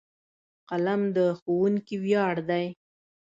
قلم د ښوونکي ویاړ دی.